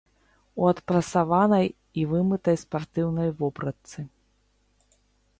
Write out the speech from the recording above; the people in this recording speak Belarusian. У адпрасаванай і вымытай спартыўнай вопратцы.